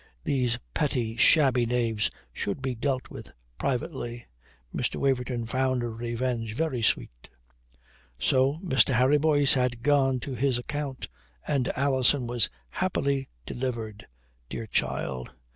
These petty, shabby knaves should be dealt with privately. Mr. Waverton found revenge very sweet. So Mr. Harry Boyce had gone to his account, and Alison was happily delivered. Dear child!